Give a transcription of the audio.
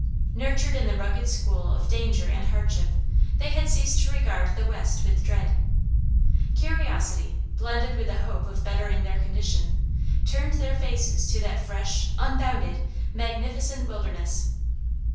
Nurtured in the rugged school of danger and hardship, they had ceased to regard the West with dread. Curiosity, blended with the hope of bettering their condition, turned their faces to that "fresh, unbounded, magnificent wilderness."